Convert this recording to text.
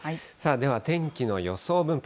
では天気の予想分布